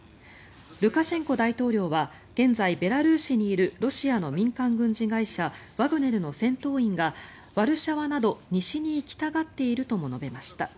ルカシェンコ大統領は現在、ベラルーシにいるロシアの民間軍事会社ワグネルの戦闘員がワルシャワなど西に行きたがっているとも述べました。